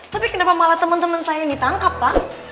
tapi kenapa malah teman teman saya yang ditangkap pak